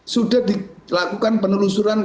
sudah dilakukan penelusuran